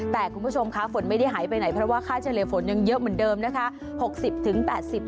แต่คุณผู้ชมคะฝนไม่ได้หายไปไหนเพราะว่าค่าเฉลี่ยฝนยังเยอะเหมือนเดิมนะคะ